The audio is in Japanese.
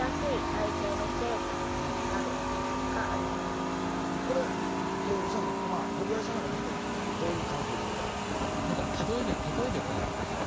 その中身はこれ当事者の堀合さんなんか見てどういう感想ですか？